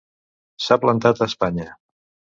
S'ha plantat a Espanya.